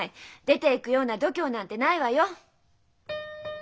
出ていくような度胸なんてないわよ。